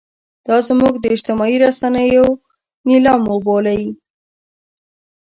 دا زموږ د اجتماعي رسنیو نیلام وبولئ.